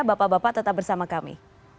bapak bapak tetap bersama kami